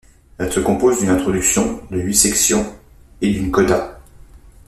Elle se compose d'une introduction, de huit sections et d'une coda.